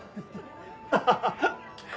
ハハハハハ！